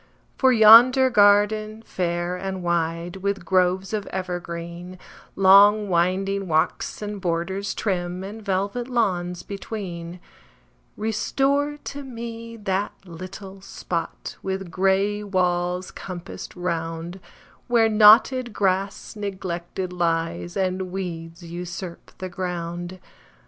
For yonder garden, fair and wide, With groves of evergreen, Long winding walks, and borders trim, And velvet lawns between; Restore to me that little spot, With gray walls compassed round, Where knotted grass neglected lies, And weeds usurp the ground.